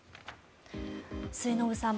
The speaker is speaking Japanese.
末延さん